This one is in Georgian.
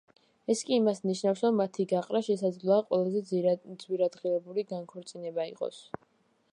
ეს კი იმას ნიშნავს, რომ მათი გაყრა შესაძლოა ყველაზე ძვირადღირებული განქორწინება იყოს.